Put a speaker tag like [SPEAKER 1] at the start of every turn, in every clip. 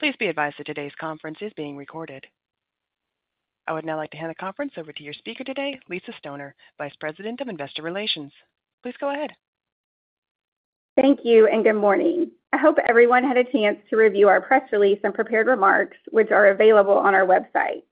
[SPEAKER 1] Please be advised that today's conference is being recorded. I would now like to hand the conference over to your speaker today, Lisa Stoner, Vice President of Investor Relations. Please go ahead.
[SPEAKER 2] Thank you and good morning. I hope everyone had a chance to review our press release and prepared remarks, which are available on our website.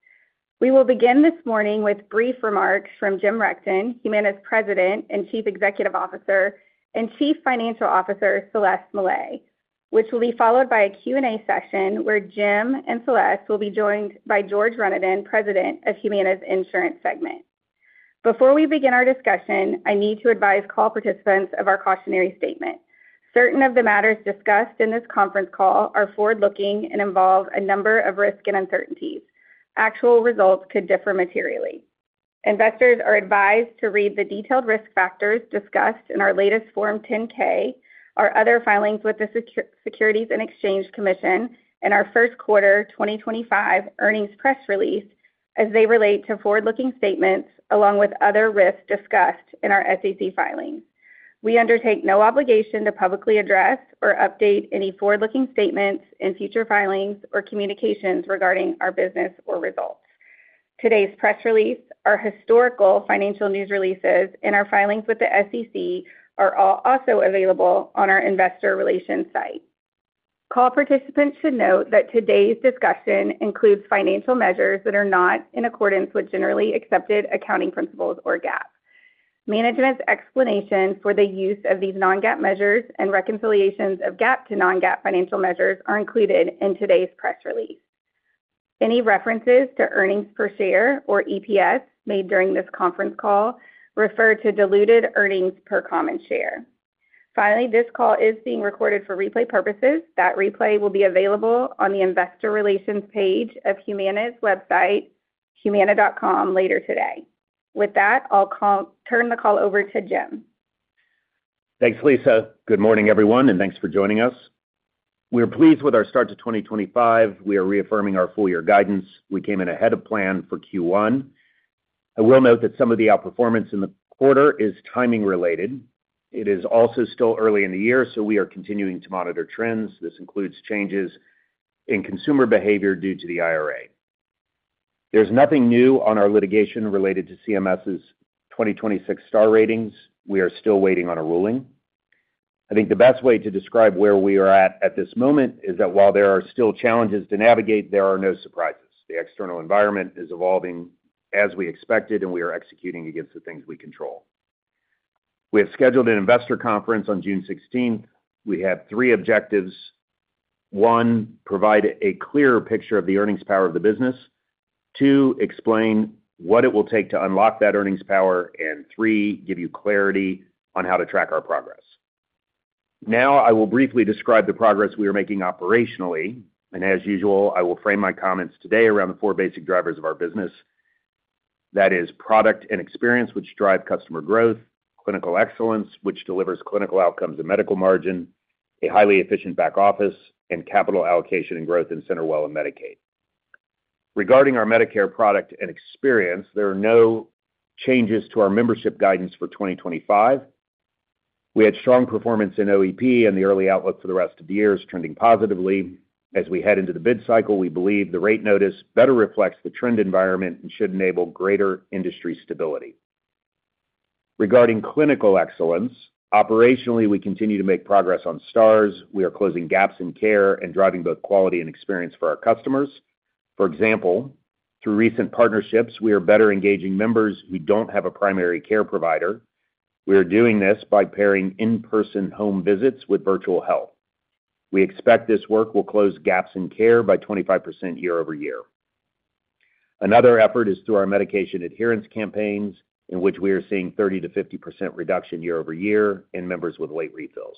[SPEAKER 2] We will begin this morning with brief remarks from Jim Rechtin, Humana's President and Chief Executive Officer, and Chief Financial Officer, Celeste Mellet, which will be followed by a Q&A session where Jim and Celeste will be joined by George Renaudin, President of Humana's Insurance Segment. Before we begin our discussion, I need to advise call participants of our cautionary statement. Certain of the matters discussed in this conference call are forward-looking and involve a number of risks and uncertainties. Actual results could differ materially. Investors are advised to read the detailed risk factors discussed in our latest Form 10-K, our other filings with the Securities and Exchange Commission, and our first quarter 2025 earnings press release as they relate to forward-looking statements along with other risks discussed in our SEC filings. We undertake no obligation to publicly address or update any forward-looking statements in future filings or communications regarding our business or results. Today's press release, our historical financial news releases, and our filings with the SEC are also available on our Investor Relations site. Call participants should note that today's discussion includes financial measures that are not in accordance with generally accepted accounting principles or GAAP. Management's explanation for the use of these non-GAAP measures and reconciliations of GAAP to non-GAAP financial measures are included in today's press release. Any references to earnings per share or EPS made during this conference call refer to diluted earnings per common share. Finally, this call is being recorded for replay purposes. That replay will be available on the Investor Relations page of Humana's website, humana.com, later today. With that, I'll turn the call over to Jim.
[SPEAKER 3] Thanks, Lisa. Good morning, everyone, and thanks for joining us. We are pleased with our start to 2025. We are reaffirming our full-year guidance. We came in ahead of plan for Q1. I will note that some of the outperformance in the quarter is timing-related. It is also still early in the year, so we are continuing to monitor trends. This includes changes in consumer behavior due to the IRA. There's nothing new on our litigation related to CMS's 2026 Star Ratings. We are still waiting on a ruling. I think the best way to describe where we are at at this moment is that while there are still challenges to navigate, there are no surprises. The external environment is evolving as we expected, and we are executing against the things we control. We have scheduled an investor conference on June 16th. We have three objectives. One, provide a clearer picture of the earnings power of the business. Two, explain what it will take to unlock that earnings power. Three, give you clarity on how to track our progress. Now, I will briefly describe the progress we are making operationally. As usual, I will frame my comments today around the four basic drivers of our business. That is product and experience, which drive customer growth; clinical excellence, which delivers clinical outcomes and medical margin; a highly efficient back office; and capital allocation and growth in CenterWell and Medicaid. Regarding our Medicare product and experience, there are no changes to our membership guidance for 2025. We had strong performance in OEP and the early outlook for the rest of the year is trending positively. As we head into the bid cycle, we believe the rate notice better reflects the trend environment and should enable greater industry stability. Regarding clinical excellence, operationally, we continue to make progress on Stars. We are closing gaps in care and driving both quality and experience for our customers. For example, through recent partnerships, we are better engaging members who do not have a primary care provider. We are doing this by pairing in-person home visits with virtual health. We expect this work will close gaps in care by 25% year over year. Another effort is through our medication adherence campaigns, in which we are seeing 30-50% reduction year over year in members with late refills.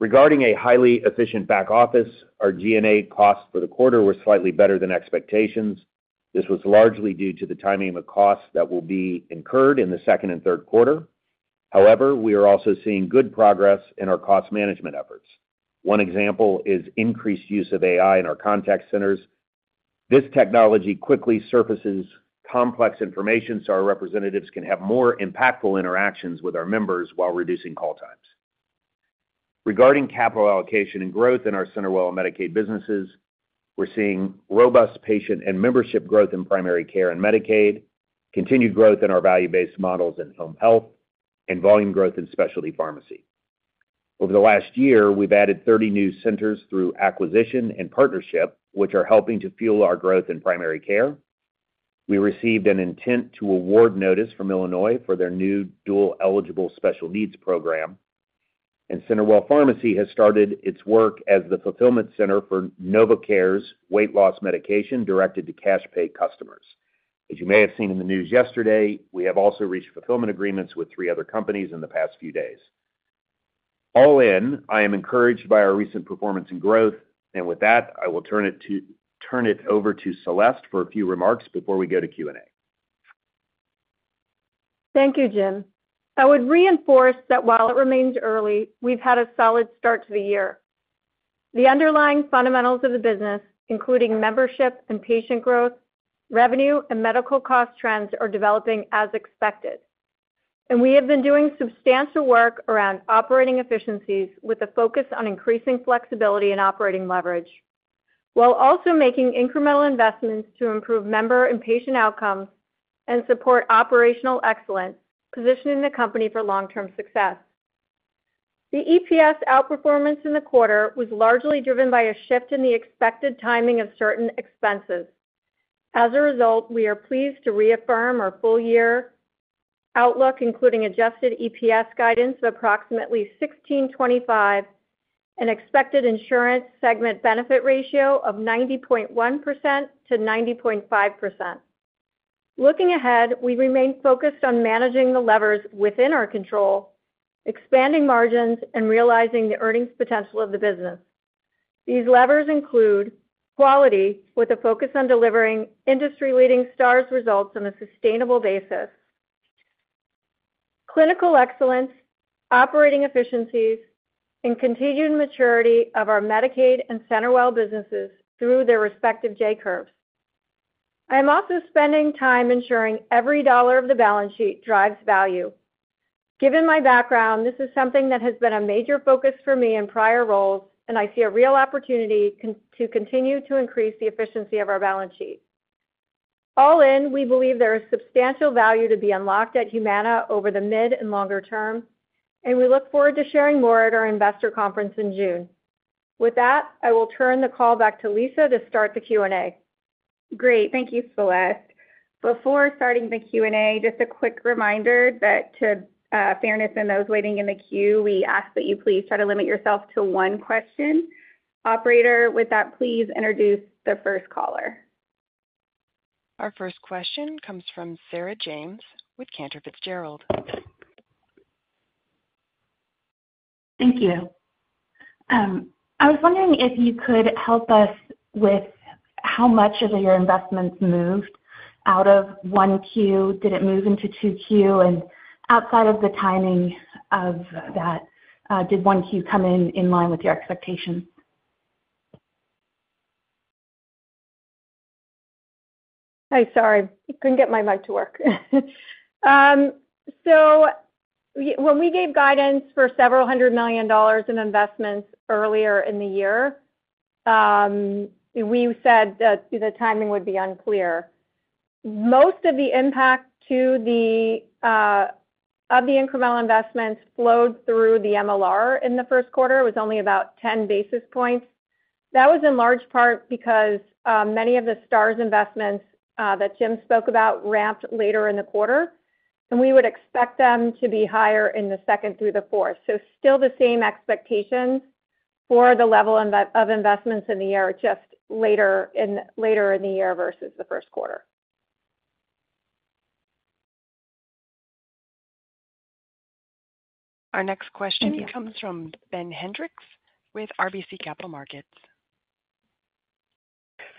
[SPEAKER 3] Regarding a highly efficient back office, our G&A costs for the quarter were slightly better than expectations. This was largely due to the timing of costs that will be incurred in the second and third quarter. However, we are also seeing good progress in our cost management efforts. One example is increased use of AI in our contact centers. This technology quickly surfaces complex information so our representatives can have more impactful interactions with our members while reducing call times. Regarding capital allocation and growth in our CenterWell and Medicaid businesses, we're seeing robust patient and membership growth in primary care and Medicaid, continued growth in our value-based models in home health, and volume growth in specialty pharmacy. Over the last year, we've added 30 new centers through acquisition and partnership, which are helping to fuel our growth in primary care. We received an intent-to-award notice from Illinois for their new dual-eligible special needs program. CenterWell Pharmacy has started its work as the fulfillment center for NovoCare's weight loss medication directed to cash pay customers. As you may have seen in the news yesterday, we have also reached fulfillment agreements with three other companies in the past few days. All in, I am encouraged by our recent performance and growth. With that, I will turn it over to Celeste for a few remarks before we go to Q&A.
[SPEAKER 4] Thank you, Jim. I would reinforce that while it remains early, we've had a solid start to the year. The underlying fundamentals of the business, including membership and patient growth, revenue, and medical cost trends, are developing as expected. We have been doing substantial work around operating efficiencies with a focus on increasing flexibility and operating leverage, while also making incremental investments to improve member and patient outcomes and support operational excellence, positioning the company for long-term success. The EPS outperformance in the quarter was largely driven by a shift in the expected timing of certain expenses. As a result, we are pleased to reaffirm our full-year outlook, including adjusted EPS guidance of approximately $16.25 and expected insurance segment benefit ratio of 90.1%-90.5%. Looking ahead, we remain focused on managing the levers within our control, expanding margins, and realizing the earnings potential of the business. These levers include quality, with a focus on delivering industry-leading Stars ratings results on a sustainable basis, clinical excellence, operating efficiencies, and continued maturity of our Medicaid and CenterWell businesses through their respective J curves. I am also spending time ensuring every dollar of the balance sheet drives value. Given my background, this is something that has been a major focus for me in prior roles, and I see a real opportunity to continue to increase the efficiency of our balance sheet. All in, we believe there is substantial value to be unlocked at Humana over the mid and longer term, and we look forward to sharing more at our investor conference in June. With that, I will turn the call back to Lisa to start the Q&A.
[SPEAKER 2] Great. Thank you, Celeste. Before starting the Q&A, just a quick reminder that to be fair to those waiting in the queue, we ask that you please try to limit yourself to one question. Operator, with that, please introduce the first caller.
[SPEAKER 1] Our first question comes from Sarah James with Cantor Fitzgerald.
[SPEAKER 5] Thank you. I was wondering if you could help us with how much of your investments moved out of Q1. Did it move into Q2? Outside of the timing of that, did Q1 come in in line with your expectations?
[SPEAKER 4] Hi, sorry. I couldn't get my mic to work. When we gave guidance for several hundred million dollars in investments earlier in the year, we said that the timing would be unclear. Most of the impact of the incremental investments flowed through the MLR in the first quarter. It was only about 10 basis points. That was in large part because many of the Stars investments that Jim spoke about ramped later in the quarter, and we would expect them to be higher in the second through the fourth. Still the same expectations for the level of investments in the year, just later in the year versus the first quarter.
[SPEAKER 1] Our next question comes from Ben Hendrix with RBC Capital Markets.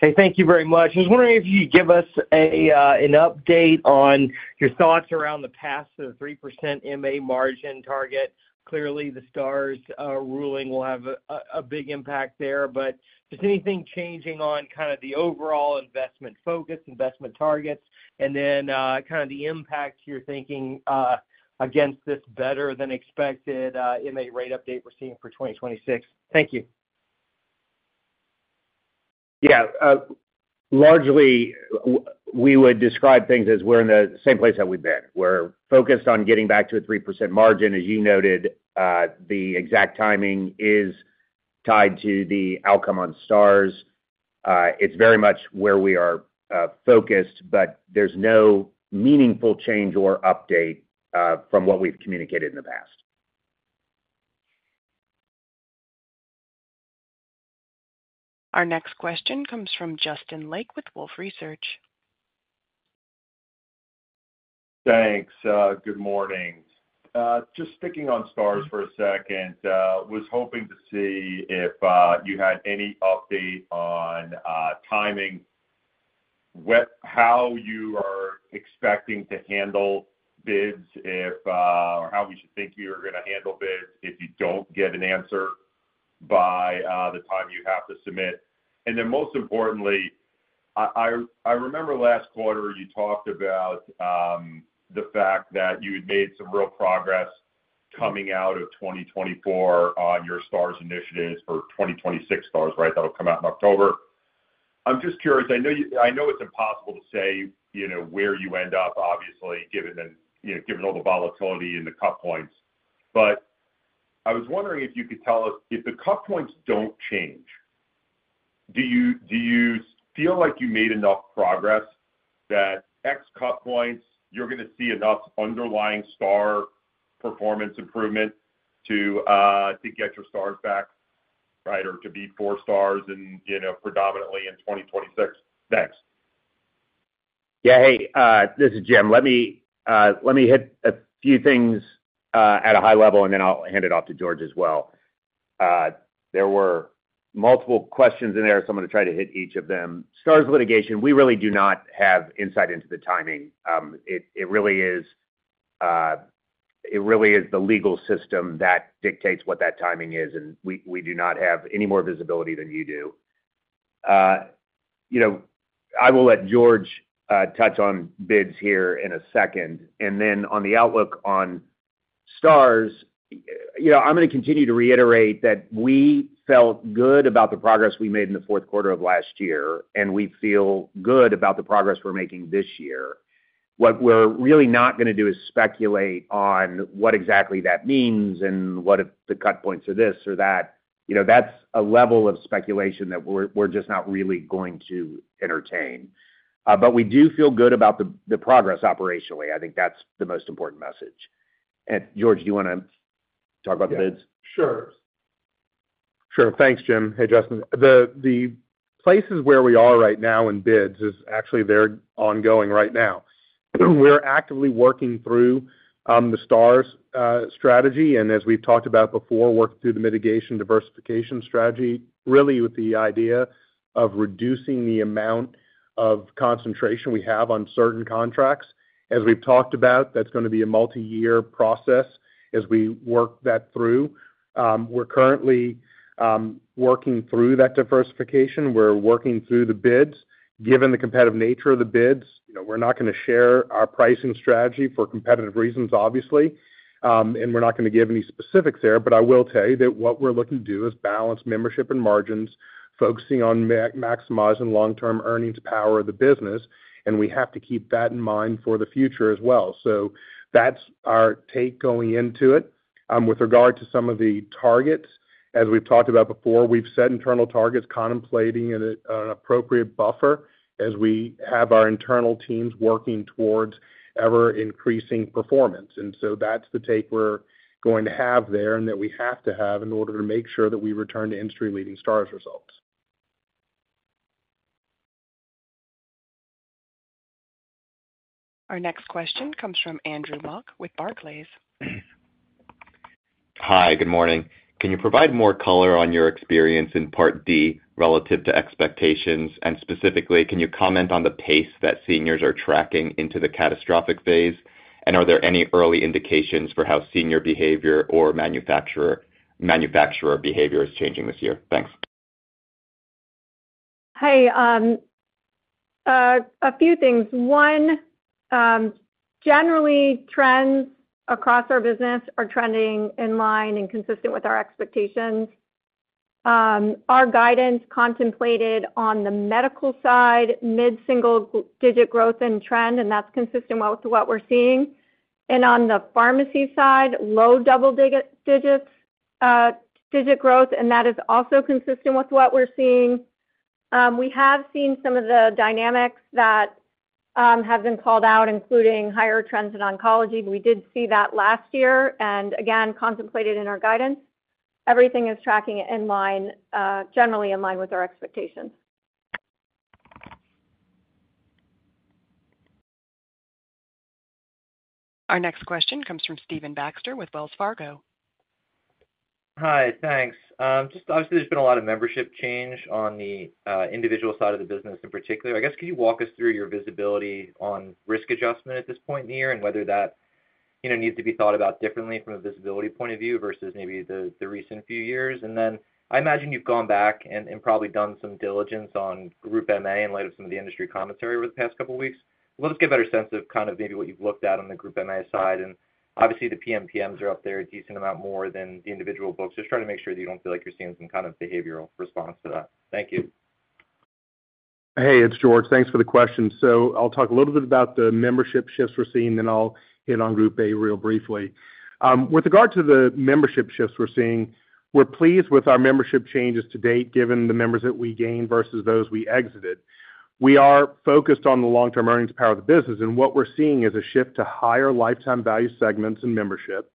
[SPEAKER 6] Hey, thank you very much. I was wondering if you could give us an update on your thoughts around the pass of the 3% MA margin target. Clearly, the Stars ruling will have a big impact there. Just anything changing on kind of the overall investment focus, investment targets, and then kind of the impact you're thinking against this better-than-expected MA rate update we're seeing for 2026? Thank you.
[SPEAKER 3] Yeah. Largely, we would describe things as we're in the same place that we've been. We're focused on getting back to a 3% margin. As you noted, the exact timing is tied to the outcome on Stars. It's very much where we are focused, but there's no meaningful change or update from what we've communicated in the past.
[SPEAKER 1] Our next question comes from Justin Lake with Wolfe Research.
[SPEAKER 7] Thanks. Good morning. Just sticking on Stars for a second, was hoping to see if you had any update on timing, how you are expecting to handle bids, or how we should think you're going to handle bids if you don't get an answer by the time you have to submit. Most importantly, I remember last quarter you talked about the fact that you had made some real progress coming out of 2024 on your Stars initiatives for 2026 Stars, right? That'll come out in October. I'm just curious. I know it's impossible to say where you end up, obviously, given all the volatility in the cut points. I was wondering if you could tell us, if the cut points don't change, do you feel like you made enough progress that at those cut points, you're going to see enough underlying star performance improvement to get your Stars back, right, or to be four Stars predominantly in 2026? Thanks.
[SPEAKER 3] Yeah. Hey, this is Jim. Let me hit a few things at a high level, and then I'll hand it off to George as well. There were multiple questions in there, so I'm going to try to hit each of them. Stars litigation, we really do not have insight into the timing. It really is the legal system that dictates what that timing is, and we do not have any more visibility than you do. I will let George touch on bids here in a second. On the outlook on Stars, I'm going to continue to reiterate that we felt good about the progress we made in the fourth quarter of last year, and we feel good about the progress we're making this year. What we're really not going to do is speculate on what exactly that means and what the cut points are this or that. That's a level of speculation that we're just not really going to entertain. We do feel good about the progress operationally. I think that's the most important message. George, do you want to talk about the bids?
[SPEAKER 8] Yeah. Sure. Sure. Thanks, Jim. Hey, Justin. The places where we are right now in bids is actually they're ongoing right now. We're actively working through the Stars strategy. And as we've talked about before, working through the mitigation diversification strategy, really with the idea of reducing the amount of concentration we have on certain contracts. As we've talked about, that's going to be a multi-year process as we work that through. We're currently working through that diversification. We're working through the bids. Given the competitive nature of the bids, we're not going to share our pricing strategy for competitive reasons, obviously. And we're not going to give any specifics there. But I will tell you that what we're looking to do is balance membership and margins, focusing on maximizing long-term earnings power of the business. And we have to keep that in mind for the future as well. That's our take going into it. With regard to some of the targets, as we've talked about before, we've set internal targets, contemplating an appropriate buffer as we have our internal teams working towards ever-increasing performance. That's the take we're going to have there and that we have to have in order to make sure that we return to industry-leading Stars results.
[SPEAKER 1] Our next question comes from Andrew Mok with Barclays.
[SPEAKER 9] Hi, good morning. Can you provide more color on your experience in Part D relative to expectations? Specifically, can you comment on the pace that seniors are tracking into the catastrophic phase? Are there any early indications for how senior behavior or manufacturer behavior is changing this year? Thanks.
[SPEAKER 4] Hey, a few things. One, generally, trends across our business are trending in line and consistent with our expectations. Our guidance contemplated on the medical side, mid-single-digit growth and trend, and that's consistent with what we're seeing. On the pharmacy side, low double-digit growth, and that is also consistent with what we're seeing. We have seen some of the dynamics that have been called out, including higher trends in oncology. We did see that last year and again contemplated in our guidance. Everything is tracking in line, generally in line with our expectations.
[SPEAKER 1] Our next question comes from Stephen Baxter with Wells Fargo.
[SPEAKER 10] Hi, thanks. Just obviously, there's been a lot of membership change on the individual side of the business in particular. I guess, could you walk us through your visibility on risk adjustment at this point in the year and whether that needs to be thought about differently from a visibility point of view versus maybe the recent few years? I imagine you've gone back and probably done some diligence on Group MA in light of some of the industry commentary over the past couple of weeks. Let us get a better sense of kind of maybe what you've looked at on the Group MA side. Obviously, the PMPMs are up there a decent amount more than the individual books. Just try to make sure that you don't feel like you're seeing some kind of behavioral response to that. Thank you.
[SPEAKER 8] Hey, it's George. Thanks for the question. I'll talk a little bit about the membership shifts we're seeing, then I'll hit on Group A real briefly. With regard to the membership shifts we're seeing, we're pleased with our membership changes to date given the members that we gained versus those we exited. We are focused on the long-term earnings power of the business. What we're seeing is a shift to higher lifetime value segments and membership.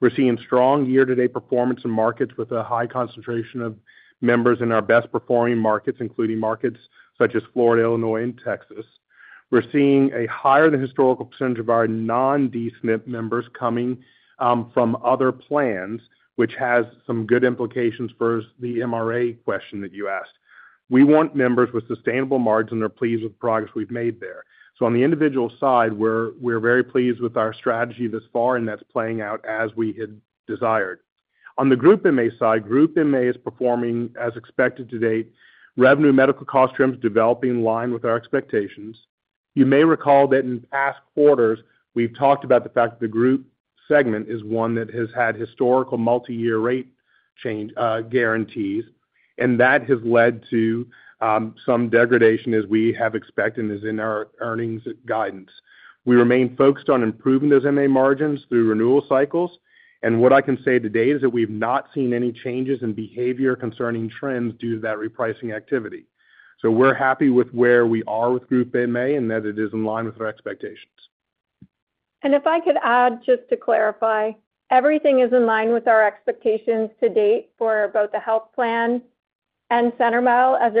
[SPEAKER 8] We're seeing strong year-to-date performance in markets with a high concentration of members in our best-performing markets, including markets such as Florida, Illinois, and Texas. We're seeing a higher than historical percentage of our non-D-SNP members coming from other plans, which has some good implications for the MRA question that you asked. We want members with sustainable margins and are pleased with the progress we've made there. On the individual side, we're very pleased with our strategy thus far, and that's playing out as we had desired. On the Group MA side, Group MA is performing as expected to date. Revenue, medical cost trends are developing in line with our expectations. You may recall that in past quarters, we've talked about the fact that the group segment is one that has had historical multi-year rate guarantees, and that has led to some degradation as we have expected and is in our earnings guidance. We remain focused on improving those MA margins through renewal cycles. What I can say to date is that we've not seen any changes in behavior concerning trends due to that repricing activity. We're happy with where we are with Group MA and that it is in line with our expectations.
[SPEAKER 4] If I could add, just to clarify, everything is in line with our expectations to date for both the health plan and CenterWell as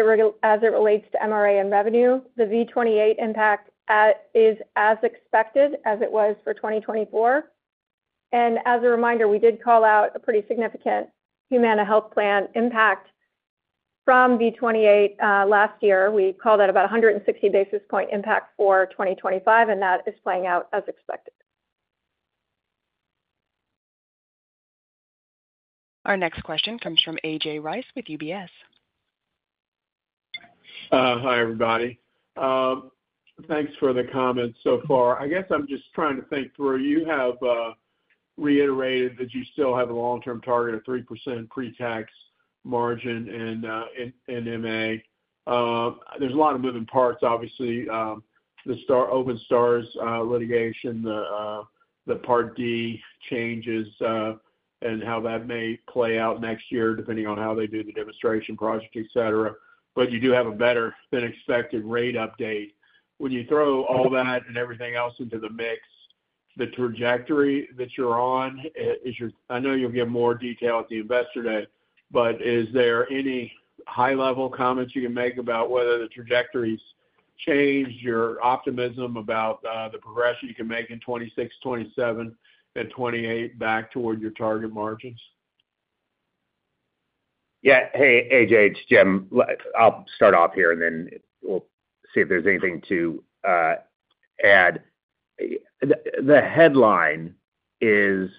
[SPEAKER 4] it relates to MRA and revenue. The V28 impact is as expected as it was for 2024. As a reminder, we did call out a pretty significant Humana health plan impact from V28 last year. We called out about 160 basis point impact for 2025, and that is playing out as expected.
[SPEAKER 1] Our next question comes from A.J. Rice with UBS.
[SPEAKER 11] Hi, everybody. Thanks for the comments so far. I guess I'm just trying to think through. You have reiterated that you still have a long-term target of 3% pre-tax margin in MA. There's a lot of moving parts, obviously. The Open Stars litigation, the Part D changes, and how that may play out next year depending on how they do the demonstration project, etc. You do have a better-than-expected rate update. When you throw all that and everything else into the mix, the trajectory that you're on is your—I know you'll give more detail at the investor day, but is there any high-level comments you can make about whether the trajectory's changed, your optimism about the progression you can make in 2026, 2027, and 2028 back toward your target margins?
[SPEAKER 3] Yeah. Hey, AJ, it's Jim. I'll start off here, and then we'll see if there's anything to add. The headline is,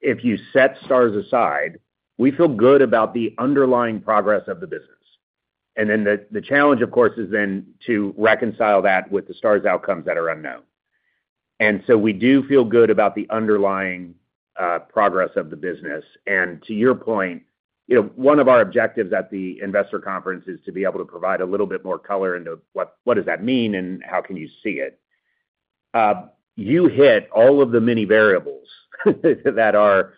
[SPEAKER 3] if you set Stars aside, we feel good about the underlying progress of the business. The challenge, of course, is to reconcile that with the Stars outcomes that are unknown. We do feel good about the underlying progress of the business. To your point, one of our objectives at the investor conference is to be able to provide a little bit more color into what does that mean and how can you see it. You hit all of the many variables that are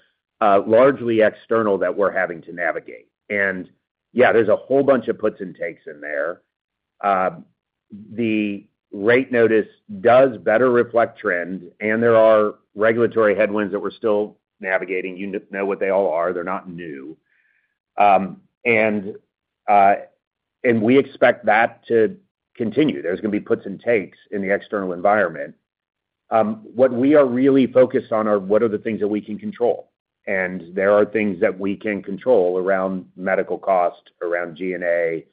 [SPEAKER 3] largely external that we're having to navigate. Yeah, there's a whole bunch of puts and takes in there. The rate notice does better reflect trend, and there are regulatory headwinds that we're still navigating. You know what they all are. They're not new. We expect that to continue. There's going to be puts and takes in the external environment. What we are really focused on are what are the things that we can control. There are things that we can control around medical cost, around G&A,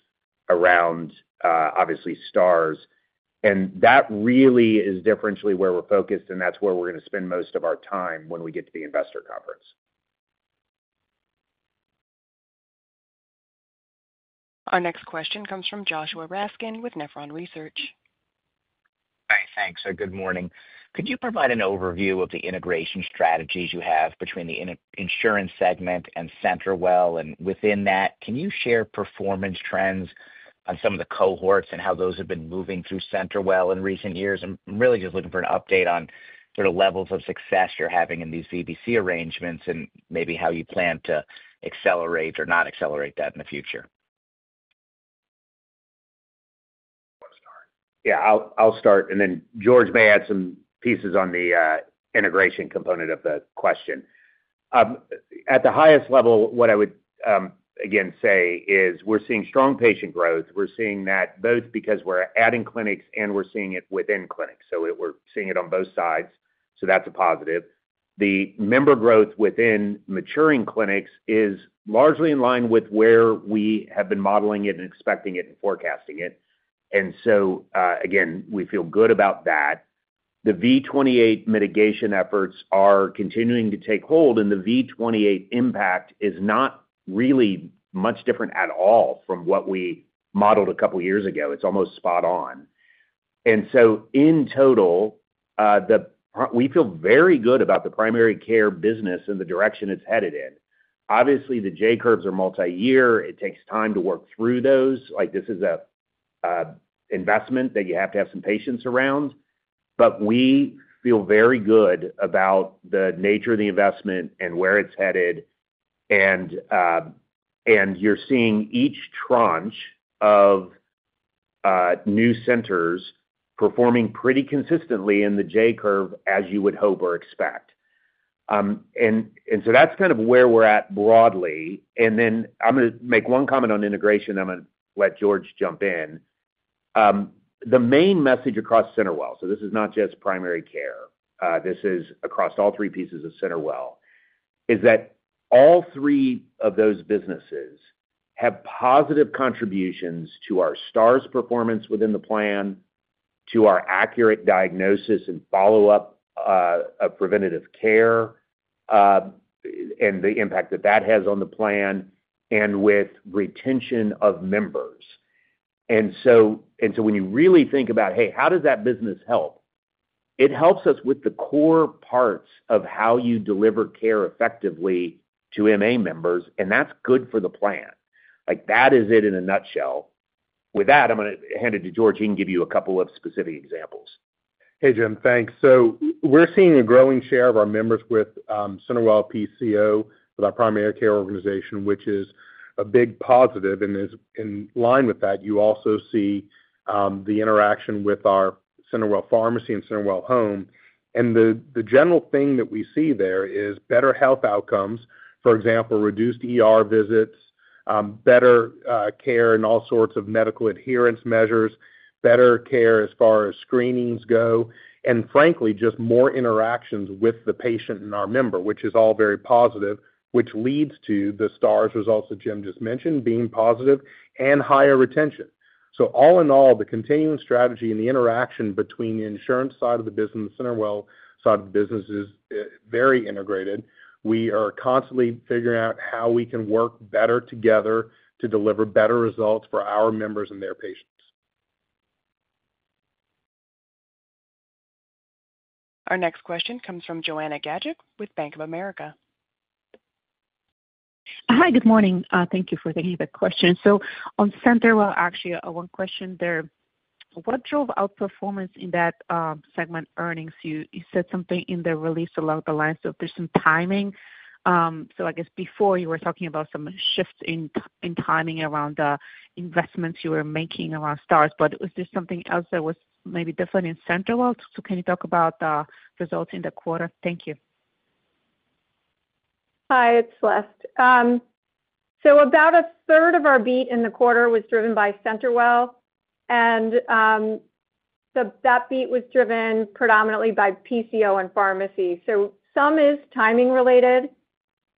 [SPEAKER 3] around obviously Stars. That really is differentially where we're focused, and that's where we're going to spend most of our time when we get to the investor conference.
[SPEAKER 1] Our next question comes from Joshua Raskin with Nephron Research.
[SPEAKER 12] Hi, thanks. Good morning. Could you provide an overview of the integration strategies you have between the insurance segment and CenterWell? Within that, can you share performance trends on some of the cohorts and how those have been moving through CenterWell in recent years? I'm really just looking for an update on sort of levels of success you're having in these VBC arrangements and maybe how you plan to accelerate or not accelerate that in the future.
[SPEAKER 3] Yeah, I'll start. Then George may add some pieces on the integration component of the question. At the highest level, what I would again say is we're seeing strong patient growth. We're seeing that both because we're adding clinics and we're seeing it within clinics. We're seeing it on both sides. That's a positive. The member growth within maturing clinics is largely in line with where we have been modeling it and expecting it and forecasting it. We feel good about that. The V28 mitigation efforts are continuing to take hold, and the V28 impact is not really much different at all from what we modeled a couple of years ago. It is almost spot on. In total, we feel very good about the primary care business and the direction it is headed in. Obviously, the J curves are multi-year. It takes time to work through those. This is an investment that you have to have some patience around. We feel very good about the nature of the investment and where it is headed. You are seeing each tranche of new centers performing pretty consistently in the J curve as you would hope or expect. That is kind of where we're at broadly. I'm going to make one comment on integration. I'm going to let George jump in. The main message across CenterWell—so this is not just primary care. This is across all three pieces of CenterWell—is that all three of those businesses have positive contributions to our Stars performance within the plan, to our accurate diagnosis and follow-up of preventative care, and the impact that that has on the plan, and with retention of members. When you really think about, "Hey, how does that business help?" It helps us with the core parts of how you deliver care effectively to MA members. That is good for the plan. That is it in a nutshell. With that, I'm going to hand it to George. He can give you a couple of specific examples.
[SPEAKER 8] Hey, Jim. Thanks. We're seeing a growing share of our members with CenterWell PCO, with our primary care organization, which is a big positive. In line with that, you also see the interaction with our CenterWell Pharmacy and CenterWell Home. The general thing that we see there is better health outcomes, for example, reduced visits, better care in all sorts of medical adherence measures, better care as far as screenings go, and frankly, just more interactions with the patient and our member, which is all very positive, which leads to the Stars results that Jim just mentioned being positive and higher retention. All in all, the continuing strategy and the interaction between the insurance side of the business and CenterWell side of the business is very integrated. We are constantly figuring out how we can work better together to deliver better results for our members and their patients.
[SPEAKER 1] Our next question comes from Joanna Gajuk with Bank of America.
[SPEAKER 13] Hi, good morning. Thank you for the question. On CenterWell, actually, one question there. What drove outperformance in that segment earnings? You said something in the release along the lines of there's some timing. I guess before you were talking about some shifts in timing around the investments you were making around Stars. Was there something else that was maybe different in CenterWell? Can you talk about the results in the quarter? Thank you.
[SPEAKER 4] Hi, it's Celeste. About a third of our beat in the quarter was driven by CenterWell. That beat was driven predominantly by PCO and pharmacy. Some is timing related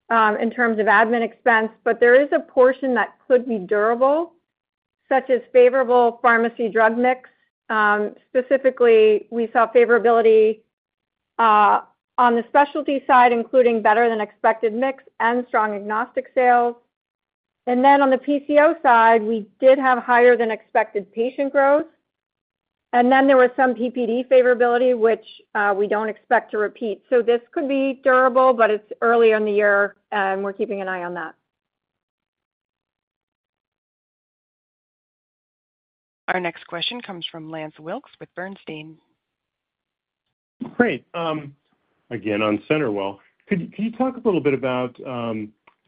[SPEAKER 4] in terms of admin expense, but there is a portion that could be durable, such as favorable pharmacy drug mix. Specifically, we saw favorability on the specialty side, including better-than-expected mix and strong agnostic sales. On the PCO side, we did have higher-than-expected patient growth. There was some PPD favorability, which we do not expect to repeat. This could be durable, but it is early in the year, and we are keeping an eye on that.
[SPEAKER 1] Our next question comes from Lance Wilkes with Bernstein.
[SPEAKER 14] Great. Again, on CenterWell. Could you talk a little bit about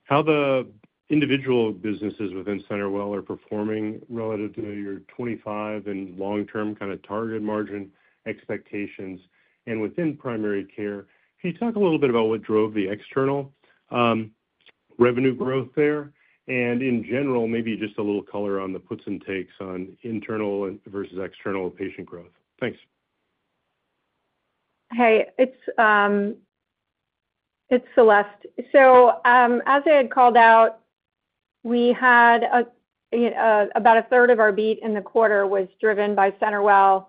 [SPEAKER 14] how the individual businesses within CenterWell are performing relative to your 2025 and long-term kind of target margin expectations? Within primary care, can you talk a little bit about what drove the external revenue growth there? In general, maybe just a little color on the puts and takes on internal versus external patient growth. Thanks.
[SPEAKER 4] Hey, it's Celeste. As I had called out, we had about a third of our beat in the quarter driven by CenterWell.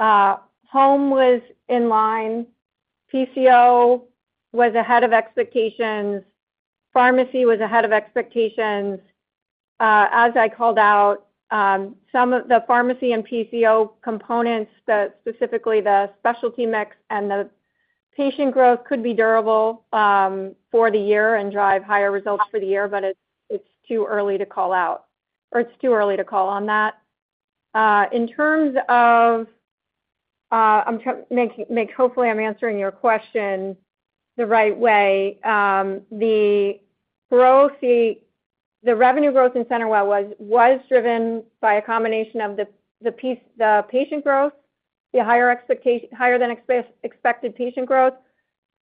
[SPEAKER 4] Home was in line. PCO was ahead of expectations. Pharmacy was ahead of expectations. As I called out, some of the pharmacy and PCO components, specifically the specialty mix and the patient growth, could be durable for the year and drive higher results for the year, but it's too early to call on that. In terms of—hopefully, I'm answering your question the right way—the revenue growth in CenterWell was driven by a combination of the patient growth, the higher-than-expected patient growth,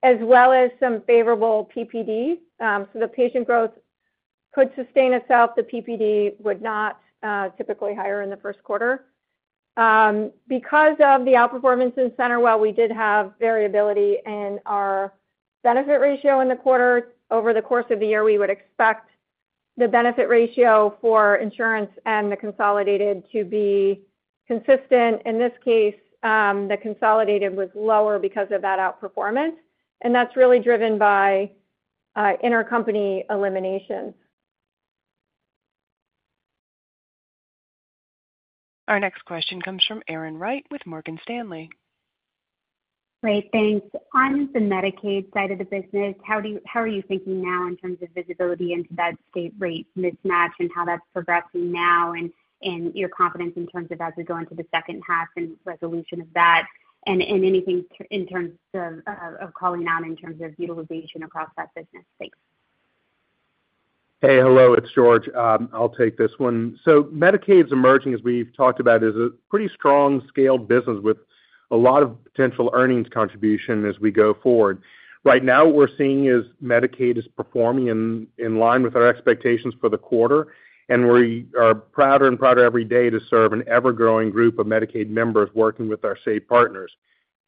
[SPEAKER 4] as well as some favorable PPD. The patient growth could sustain itself. The PPD would not, typically higher in the first quarter. Because of the outperformance in CenterWell, we did have variability in our benefit ratio in the quarter. Over the course of the year, we would expect the benefit ratio for insurance and the consolidated to be consistent. In this case, the consolidated was lower because of that outperformance. That is really driven by intercompany eliminations.
[SPEAKER 1] Our next question comes from Erin Wright with Morgan Stanley.
[SPEAKER 15] Great. Thanks. On the Medicaid side of the business, how are you thinking now in terms of visibility into that state rate mismatch and how that's progressing now and your confidence in terms of as we go into the second half and resolution of that? Anything in terms of calling out in terms of utilization across that business? Thanks.
[SPEAKER 8] Hey, hello. It's George. I'll take this one. Medicaid's emerging, as we've talked about, as a pretty strong-scaled business with a lot of potential earnings contribution as we go forward. Right now, what we're seeing is Medicaid is performing in line with our expectations for the quarter, and we are prouder and prouder every day to serve an ever-growing group of Medicaid members working with our state partners.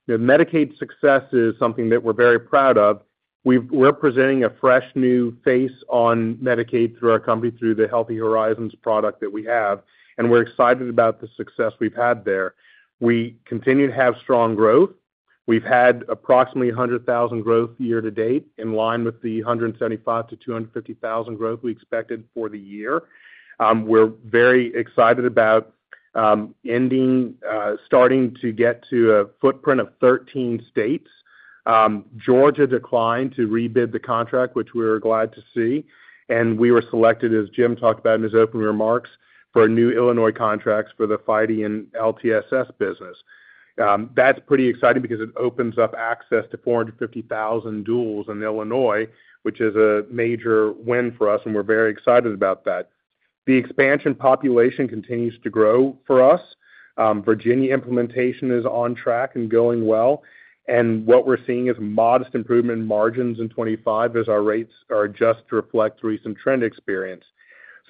[SPEAKER 8] Medicaid success is something that we're very proud of. We're presenting a fresh new face on Medicaid through our company, through the Healthy Horizons product that we have, and we're excited about the success we've had there. We continue to have strong growth. We've had approximately 100,000 growth year to date in line with the 175,000-250,000 growth we expected for the year. We're very excited about starting to get to a footprint of 13 states. Georgia declined to rebid the contract, which we're glad to see. We were selected, as Jim talked about in his opening remarks, for new Illinois contracts for the FIDE and LTSS business. That's pretty exciting because it opens up access to 450,000 duals in Illinois, which is a major win for us, and we're very excited about that. The expansion population continues to grow for us. Virginia implementation is on track and going well. What we're seeing is a modest improvement in margins in 2025 as our rates are adjusted to reflect recent trend experience.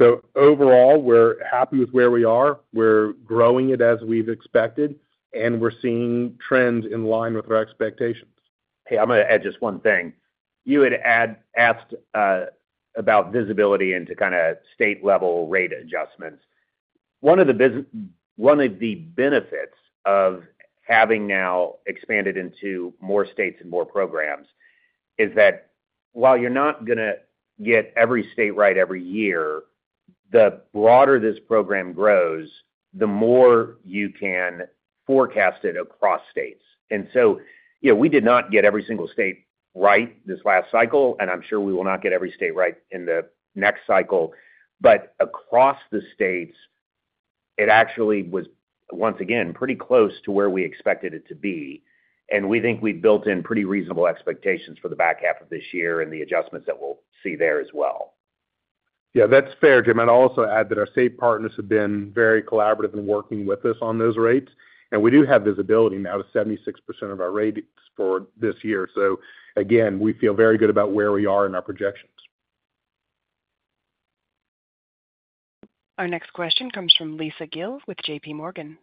[SPEAKER 8] Overall, we're happy with where we are. We're growing it as we've expected, and we're seeing trends in line with our expectations.
[SPEAKER 3] Hey, I'm going to add just one thing. You had asked about visibility into kind of state-level rate adjustments. One of the benefits of having now expanded into more states and more programs is that while you're not going to get every state right every year, the broader this program grows, the more you can forecast it across states. We did not get every single state right this last cycle, and I'm sure we will not get every state right in the next cycle. Across the states, it actually was, once again, pretty close to where we expected it to be. We think we've built in pretty reasonable expectations for the back half of this year and the adjustments that we'll see there as well.
[SPEAKER 8] Yeah, that's fair, Jim. I'll also add that our state partners have been very collaborative in working with us on those rates. We do have visibility now to 76% of our rates for this year. We feel very good about where we are in our projections.
[SPEAKER 1] Our next question comes from Lisa Gill with JPMorgan.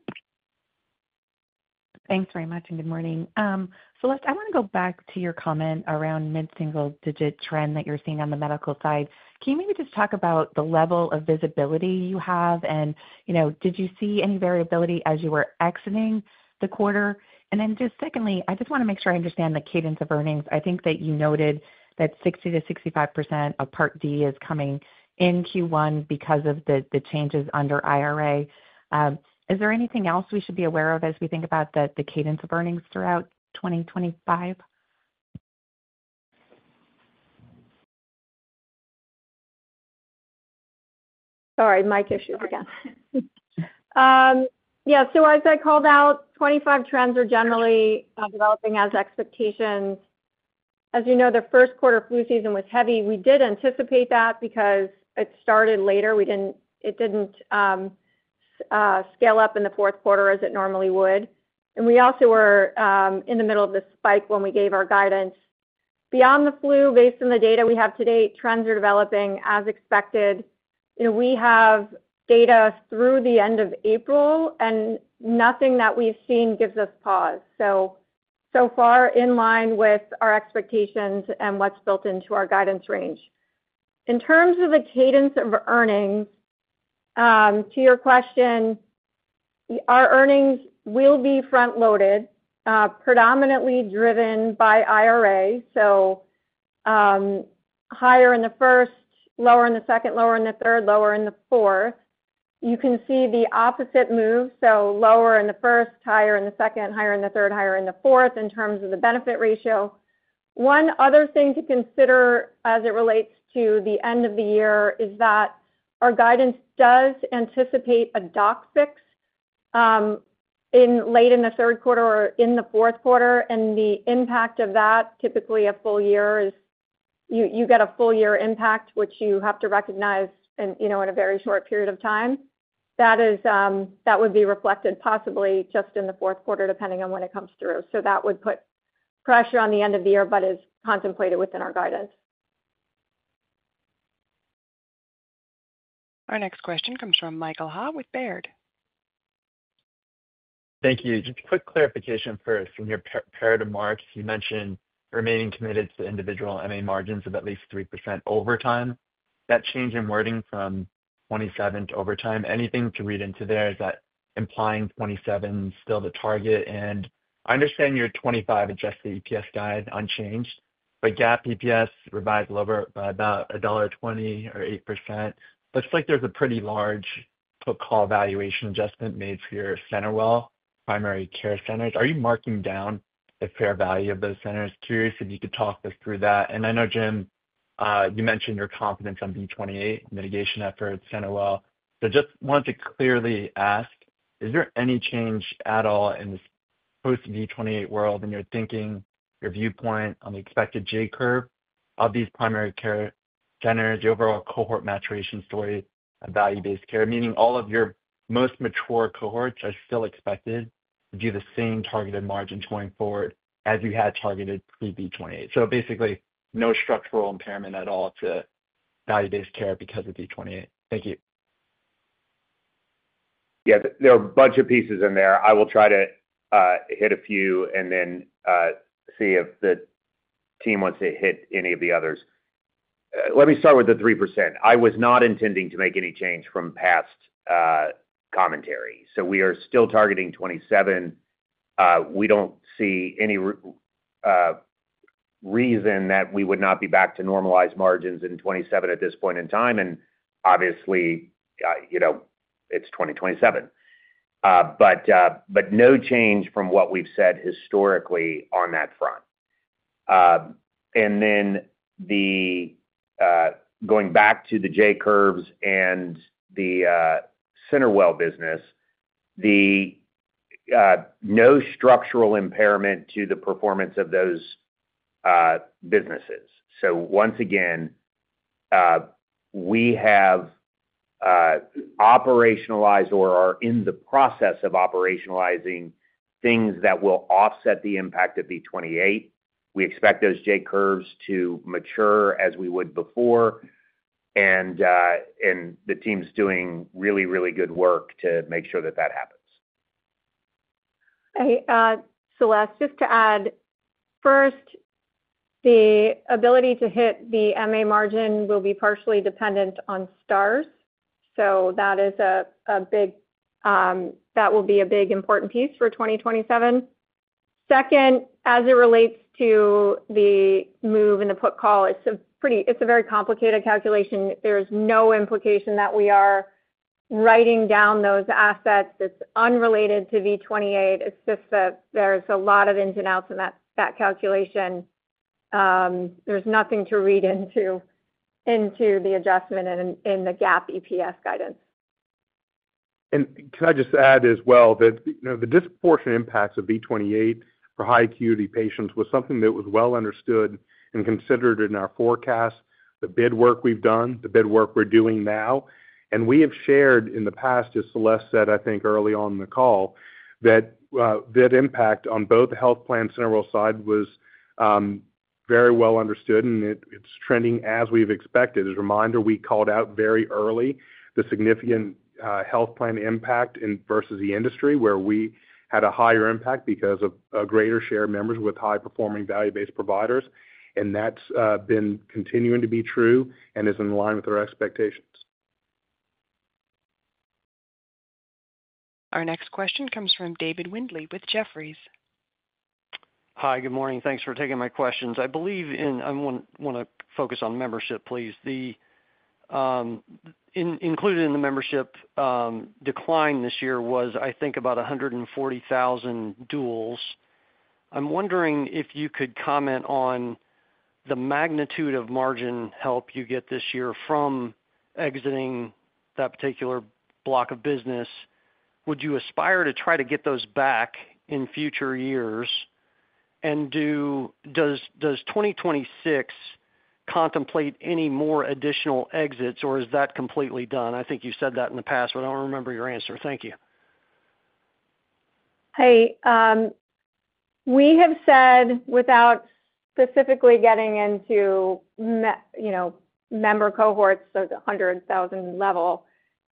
[SPEAKER 16] Thanks very much and good morning. Celeste, I want to go back to your comment around mid-single-digit trend that you're seeing on the medical side. Can you maybe just talk about the level of visibility you have? Did you see any variability as you were exiting the quarter? I just want to make sure I understand the cadence of earnings. I think that you noted that 60%-65% of Part D is coming in Q1 because of the changes under IRA. Is there anything else we should be aware of as we think about the cadence of earnings throughout 2025?
[SPEAKER 4] Sorry, mic issues again. Yeah. As I called out, 2025 trends are generally developing as expectations. As you know, the first quarter flu season was heavy. We did anticipate that because it started later. It did not scale up in the fourth quarter as it normally would. We also were in the middle of the spike when we gave our guidance. Beyond the flu, based on the data we have today, trends are developing as expected. We have data through the end of April, and nothing that we have seen gives us pause. So far in line with our expectations and what is built into our guidance range. In terms of the cadence of earnings, to your question, our earnings will be front-loaded, predominantly driven by IRA. Higher in the first, lower in the second, lower in the third, lower in the fourth. You can see the opposite move. Lower in the first, higher in the second, higher in the third, higher in the fourth in terms of the benefit ratio. One other thing to consider as it relates to the end of the year is that our guidance does anticipate a doc fix late in the third quarter or in the fourth quarter. The impact of that, typically a full year, is you get a full-year impact, which you have to recognize in a very short period of time. That would be reflected possibly just in the fourth quarter depending on when it comes through. That would put pressure on the end of the year, but is contemplated within our guidance.
[SPEAKER 1] Our next question comes from Michael Ha with Baird.
[SPEAKER 17] Thank you. Just a quick clarification first. In your prepared remarks, you mentioned remaining committed to individual MA margins of at least 3% over time. That change in wording from 2027 to over time, anything to read into there, is that implying 2027 is still the target? I understand your 2025 adjusted EPS guide unchanged, but GAAP EPS revised lower by about $1.20 or 8%. Looks like there's a pretty large put-call valuation adjustment made for your CenterWell primary care centers. Are you marking down the fair value of those centers? Curious if you could talk us through that. I know, Jim, you mentioned your confidence on V28 mitigation efforts at CenterWell. I just wanted to clearly ask, is there any change at all in this post-V28 world in your thinking, your viewpoint on the expected J curve of these primary care centers, the overall cohort maturation story of value-based care, meaning all of your most mature cohorts are still expected to do the same targeted margin going forward as you had targeted pre-V28? Basically, no structural impairment at all to value-based care because of V28. Thank you.
[SPEAKER 3] Yeah, there are budget pieces in there. I will try to hit a few and then see if the team wants to hit any of the others. Let me start with the 3%. I was not intending to make any change from past commentary. We are still targeting 2027. We do not see any reason that we would not be back to normalized margins in 2027 at this point in time. Obviously, it is 2027. No change from what we have said historically on that front. Going back to the J-curves and the CenterWell business, no structural impairment to the performance of those businesses. Once again, we have operationalized or are in the process of operationalizing things that will offset the impact of V28. We expect those J-curves to mature as we would before. The team's doing really, really good work to make sure that that happens.
[SPEAKER 4] Hey, Celeste, just to add, first, the ability to hit the MA margin will be partially dependent on Stars. That is a big—that will be a big important piece for 2027. Second, as it relates to the move and the put-call, it's a very complicated calculation. There's no implication that we are writing down those assets. It's unrelated to V28. It's just that there's a lot of ins and outs in that calculation. There's nothing to read into the adjustment in the GAAP EPS guidance.
[SPEAKER 8] Can I just add as well that the disproportionate impacts of V28 for high-acuity patients was something that was well understood and considered in our forecast, the bid work we've done, the bid work we're doing now. We have shared in the past, as Celeste Mellet said, I think early on in the call, that that impact on both the health plan and CenterWell side was very well understood, and it's trending as we've expected. As a reminder, we called out very early the significant health plan impact versus the industry where we had a higher impact because of a greater share of members with high-performing value-based providers. That's been continuing to be true and is in line with our expectations.
[SPEAKER 1] Our next question comes from David Windley with Jefferies.
[SPEAKER 18] Hi, good morning. Thanks for taking my questions. I believe in—I want to focus on membership, please. Included in the membership decline this year was, I think, about 140,000 duals. I'm wondering if you could comment on the magnitude of margin help you get this year from exiting that particular block of business. Would you aspire to try to get those back in future years? Does 2026 contemplate any more additional exits, or is that completely done? I think you said that in the past, but I don't remember your answer. Thank you.
[SPEAKER 4] Hey, we have said, without specifically getting into member cohorts, so the 100,000 level,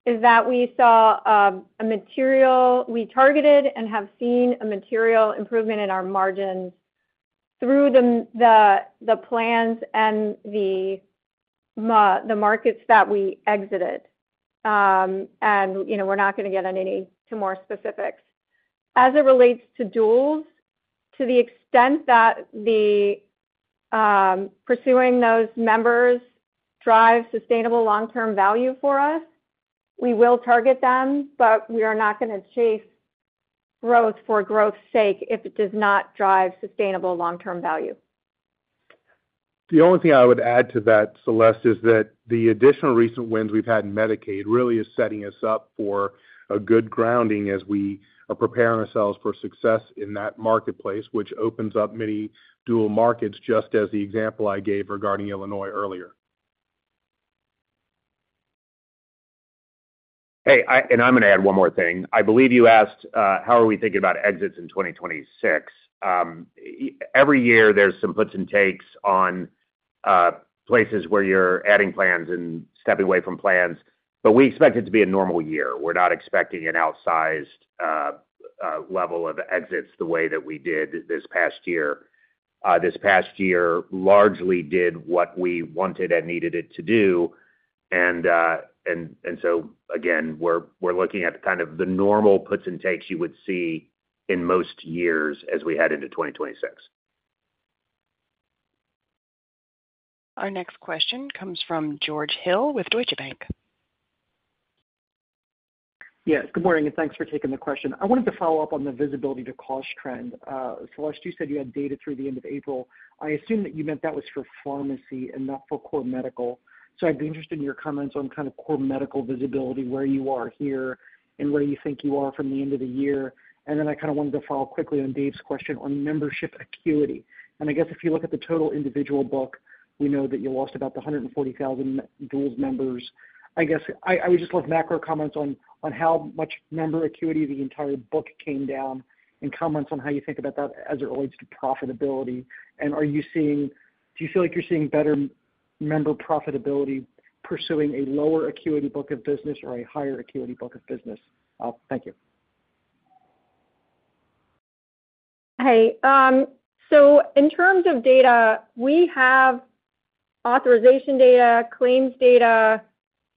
[SPEAKER 4] is that we saw a material—we targeted and have seen a material improvement in our margins through the plans and the markets that we exited. We are not going to get into any more specifics. As it relates to duals, to the extent that pursuing those members drives sustainable long-term value for us, we will target them, but we are not going to chase growth for growth's sake if it does not drive sustainable long-term value.
[SPEAKER 8] The only thing I would add to that, Celeste, is that the additional recent wins we've had in Medicaid really is setting us up for a good grounding as we are preparing ourselves for success in that marketplace, which opens up many dual markets, just as the example I gave regarding Illinois earlier.
[SPEAKER 3] Hey, and I'm going to add one more thing. I believe you asked, how are we thinking about exits in 2026? Every year, there's some puts and takes on places where you're adding plans and stepping away from plans. We expect it to be a normal year. We're not expecting an outsized level of exits the way that we did this past year. This past year largely did what we wanted and needed it to do. Again, we're looking at kind of the normal puts and takes you would see in most years as we head into 2026.
[SPEAKER 1] Our next question comes from George Hill with Deutsche Bank.
[SPEAKER 19] Yes, good morning, and thanks for taking the question. I wanted to follow up on the visibility to cost trend. Celeste, you said you had data through the end of April. I assume that you meant that was for pharmacy and not for core medical. I would be interested in your comments on kind of core medical visibility, where you are here and where you think you are from the end of the year. I wanted to follow quickly on Dave's question on membership acuity. I guess if you look at the total individual book, we know that you lost about the 140,000 dual members. I would just love macro comments on how much member acuity the entire book came down and comments on how you think about that as it relates to profitability. Do you feel like you're seeing better member profitability pursuing a lower acuity book of business or a higher acuity book of business? Thank you.
[SPEAKER 4] Hi. In terms of data, we have authorization data, claims data,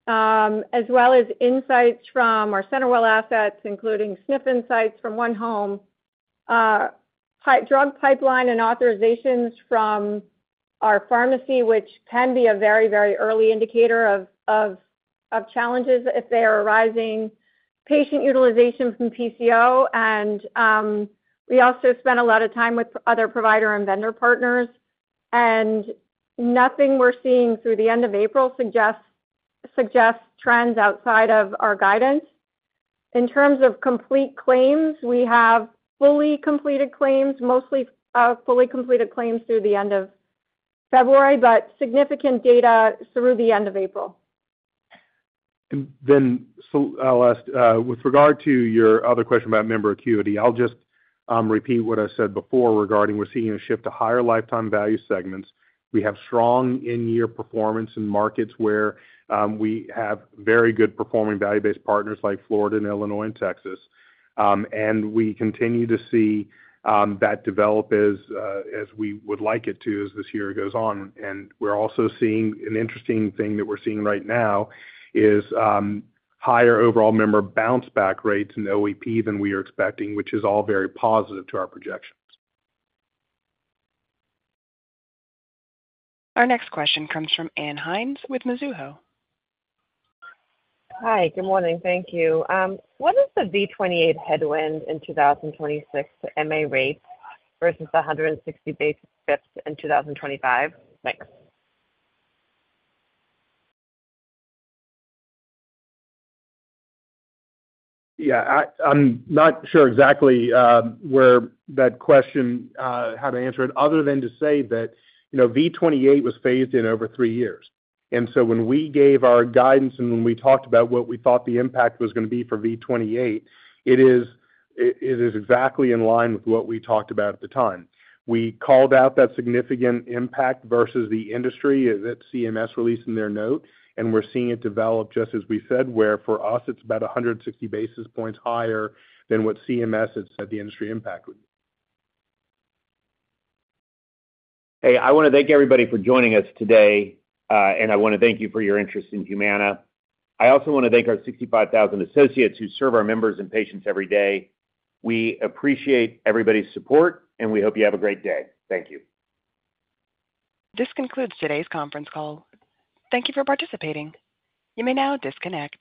[SPEAKER 4] as well as insights from our CenterWell assets, including SNF insights from One Home, drug pipeline and authorizations from our pharmacy, which can be a very, very early indicator of challenges if they are arising, patient utilization from PCO. We also spent a lot of time with other provider and vendor partners. Nothing we're seeing through the end of April suggests trends outside of our guidance. In terms of complete claims, we have fully completed claims, mostly fully completed claims through the end of February, but significant data through the end of April.
[SPEAKER 8] With regard to your other question about member acuity, I'll just repeat what I said before regarding we're seeing a shift to higher lifetime value segments. We have strong in-year performance in markets where we have very good performing value-based partners like Florida and Illinois and Texas. We continue to see that develop as we would like it to as this year goes on. We're also seeing an interesting thing that we're seeing right now is higher overall member bounce back rates and OEP than we are expecting, which is all very positive to our projections.
[SPEAKER 1] Our next question comes from Anne Hynes with Mizuho.
[SPEAKER 20] Hi, good morning. Thank you. What is the V28 headwind in 2026 to MA rates versus the 160 basis points in 2025? Thanks.
[SPEAKER 8] Yeah, I'm not sure exactly where that question, how to answer it, other than to say that V28 was phased in over three years. When we gave our guidance and when we talked about what we thought the impact was going to be for V28, it is exactly in line with what we talked about at the time. We called out that significant impact versus the industry that CMS released in their note, and we're seeing it develop just as we said, where for us, it's about 160 basis points higher than what CMS had said the industry impact would be.
[SPEAKER 3] Hey, I want to thank everybody for joining us today, and I want to thank you for your interest in Humana. I also want to thank our 65,000 associates who serve our members and patients every day. We appreciate everybody's support, and we hope you have a great day. Thank you.
[SPEAKER 1] This concludes today's conference call. Thank you for participating. You may now disconnect.